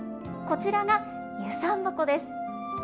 こちらが遊山箱です。